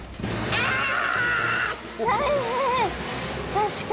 確かに。